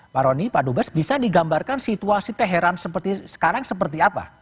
pak roni pak dubes bisa digambarkan situasi teheran seperti sekarang seperti apa